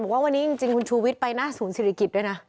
ว่าวันนี้จริงคุณชูวิตไปน้าสูญศิริกิจด้วยน่ะ